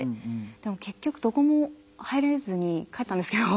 でも結局どこも入れずに帰ったんですけど。